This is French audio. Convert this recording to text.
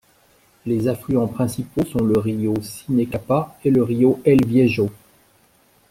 Les affluents principaux sont le río Sinecapa et le río El Viejo.